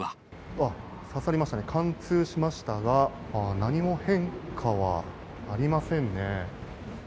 あっ、刺さりましたね、貫通しましたが、何も変化はありませんね。